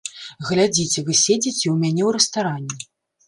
Глядзіце, вы седзіце ў мяне ў рэстаране.